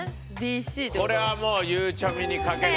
これはもうゆうちゃみにかける。